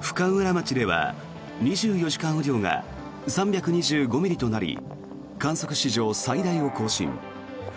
深浦町では２４時間雨量が３２５ミリとなり観測史上最大を更新。